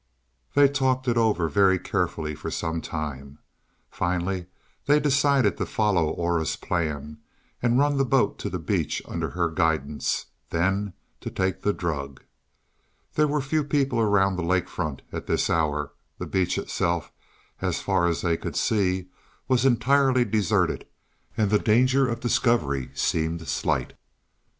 They talked it over very carefully for some time. Finally they decided to follow Aura's plan and run the boat to the beach under her guidance; then to take the drug. There were few people around the lake front at this hour; the beach itself, as far as they could see, was entirely deserted, and the danger of discovery seemed slight.